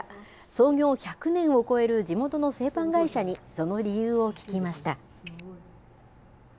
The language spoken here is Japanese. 創業１００年を超える地元の製パン会社にその理由を聞きました。